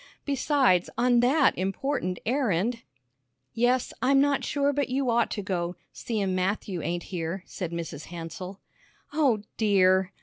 Besides, on that important errand! "Yes, I'm not sure but you ought to go, seem' Matthew ain't here," said Mrs. Hansell. "O dear!"